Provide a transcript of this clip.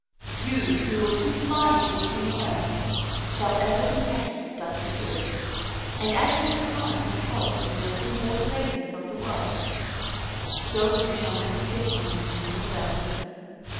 You who were too fine to dig in the earth shall ever be pecking at dusty wood. And as you declined to help in building the water basins of the world, so you shall never sip from them when you are thirsty.